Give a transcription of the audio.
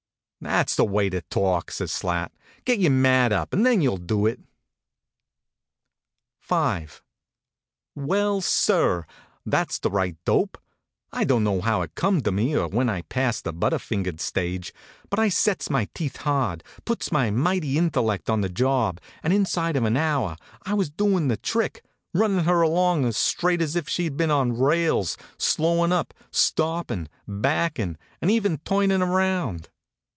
"That s the way to talk!" says Slat. " Get your mad up, and then you ll do it." [*] T 71 TELL, sir, that s the right dope. I * don t know how it come to me, or when I passed the butter fingered stage; but I sets my teeth hard, puts my mighty intellect on the job, and inside of an hour I was doing the trick runnin her along as straight as if she d been on rails, slowin up, stoppin , backin , and even turnin around.